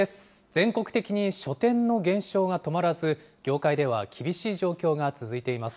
全国的に書店の減少が止まらず、業界では厳しい状況が続いています。